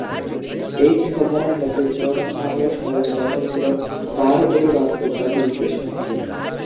এই চিন্তাধারার নেতৃস্থানীয় সমালোচনা এসেছিল কার এর "বাস্তববাদী" বিশ্লেষণ থেকে।